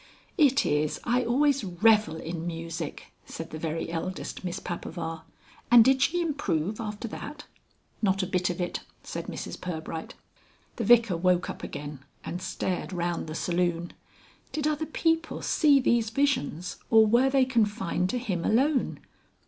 "(It is. I always revel in music,)" said the very eldest Miss Papaver. "And did she improve after that?" "Not a bit of it," said Mrs Pirbright. The Vicar woke up again and stared round the saloon. Did other people see these visions, or were they confined to him alone?